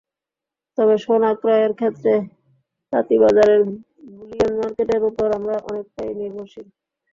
তবে সোনা ক্রয়ের ক্ষেত্রে তাঁতীবাজারের বুলিয়ন মার্কেটের ওপর আমরা অনেকটাই নির্ভরশীল।